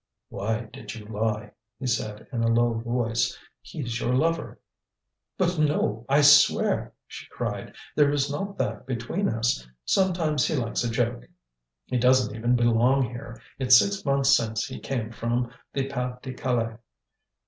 "Why did you lie?" he said, in a low voice. "He's your lover." "But no, I swear," she cried. "There is not that between us. Sometimes he likes a joke; he doesn't even belong here; it's six months since he came from the Pas de Calais."